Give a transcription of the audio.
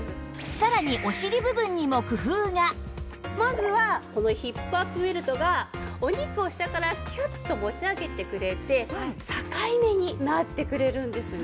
さらにまずはこのヒップアップベルトがお肉を下からキュッと持ち上げてくれて境目になってくれるんですね。